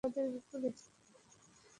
যেখানে সব চাকররা থাকে, সব ড্রাইভাররাও।